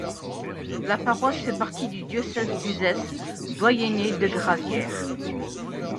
La paroisse fait partie du diocèse d'Uzès, doyenné de Gravières.